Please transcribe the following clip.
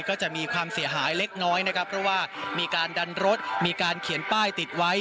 ก็จะมีความเสียหายเล็กน้อยนะครับเพราะว่ามีการดันรถมีการเขียนป้ายติดไว้